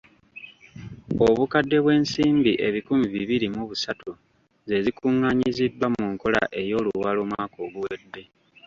Obukadde bw’ensimbi ebikumi bibiri mu busatu ze zikuŋŋaanyiziddwa mu nkola ey’oluwalo omwaka oguwedde.